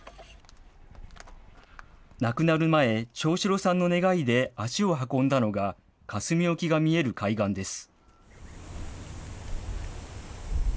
亡くなる前、長四郎さんの願いで足を運んだのが、香住沖が見える海岸です。